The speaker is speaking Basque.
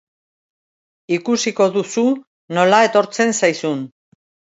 Ikusiko duzu nola etortzen zaizun.